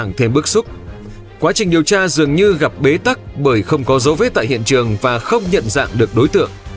nhưng càng thêm bước xúc quá trình điều tra dường như gặp bế tắc bởi không có dấu vết tại hiện trường và không nhận dạng được đối tượng